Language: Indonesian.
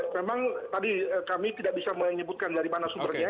memang tadi kami tidak bisa menyebutkan dari mana sumbernya